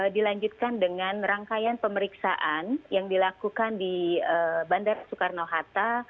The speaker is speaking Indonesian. dilanjutkan dengan rangkaian pemeriksaan yang dilakukan di bandara soekarno hatta